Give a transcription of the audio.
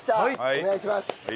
お願いします。